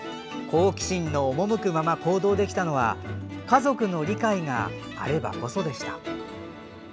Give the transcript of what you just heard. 好奇心の赴くまま行動できたのは家族の理解があればこそでした。